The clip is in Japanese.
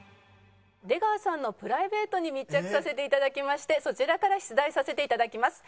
出川さんのプライベートに密着させて頂きましてそちらから出題させて頂きます。